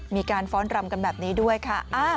ฟ้อนรำกันแบบนี้ด้วยค่ะ